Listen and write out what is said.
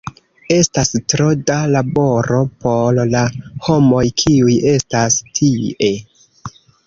Estas tro da laboro por la homoj kiuj estas tie.